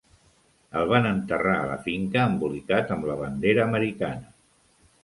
El van enterrar a la finca embolicat amb la bandera americana.